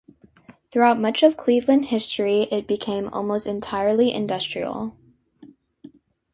Throughout much of Cleveland history, it became almost entirely industrial.